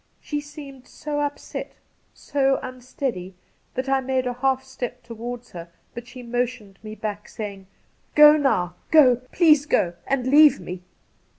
She seemed so upset, so unsteady, that I made a half step towards her, but she motioned me back, saying :' Go now — go ! Please go, and leave me.'